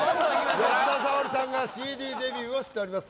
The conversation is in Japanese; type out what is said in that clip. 吉田沙保里さんがＣＤデビューをしております